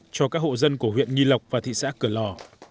cho các hộ dân của huyện nghi lộc và thị xã cửa lò